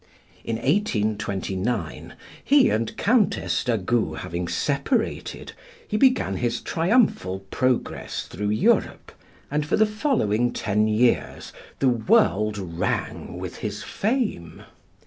In 1829, he and Countess d'Agoult having separated, he began his triumphal progress through Europe, and for the following ten years the world rang with his fame.